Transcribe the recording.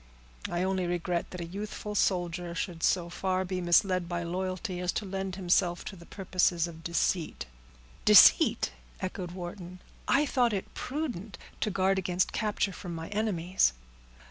"I only regret that a youthful soldier should so far be misled by loyalty as to lend himself to the purposes of deceit." "Deceit!" echoed Wharton. "I thought it prudent to guard against capture from my enemies."